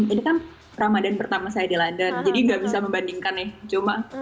ini kan ramadan pertama saya di london jadi nggak bisa membandingkan nih cuma